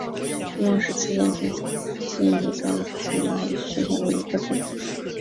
莫氏刺剑水蚤为剑水蚤科刺剑水蚤属下的一个种。